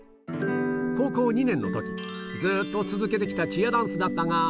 高校２年のとき、ずーっと続けてきたチアダンスだったが。